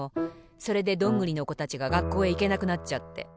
それでどんぐりのこたちががっこうへいけなくなっちゃって。